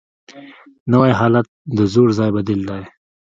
نوی حالت د زوړ ځای بدیل دی